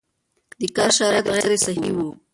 د کار شرایط غیر صحي وو